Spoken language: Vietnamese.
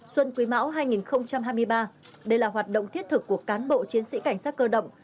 xuân quý mão hai nghìn hai mươi ba đây là hoạt động thiết thực của cán bộ chiến sĩ cảnh sát cơ động